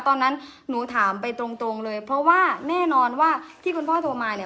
ตอนนั้นหนูถามไปตรงเลยเพราะว่าแน่นอนว่าที่คุณพ่อโทรมาเนี่ย